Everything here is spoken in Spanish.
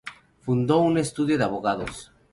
Fundó un estudio de abogados.